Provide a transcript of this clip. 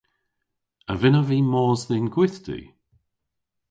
A vynnav vy mos dhe'n gwithti?